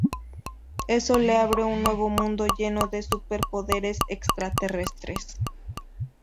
Eso le abre un nuevo mundo lleno de superpoderes extraterrestres.